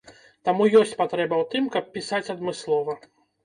Таму ёсць патрэба ў тым, каб пісаць адмыслова.